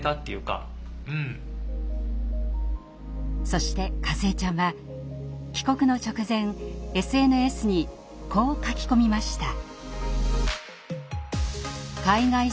そしてかずえちゃんは帰国の直前ＳＮＳにこう書き込みました。